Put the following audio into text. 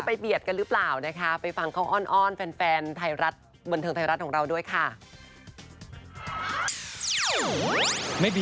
ไปเข้าอ้อนไฮอนแฟนเวินเทอร์ไทยรัฐของเราด้ว่าค่ะ